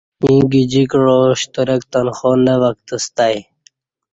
ییں گجی کعہ شترک تنخوا نہ وکتستہ ای